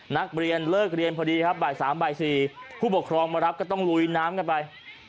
นักเรียนเลิกเรียนพอดีครับบ่าย๓บ่าย๔ผู้ปกครองมารับก็ต้องลุยน้ำกันไป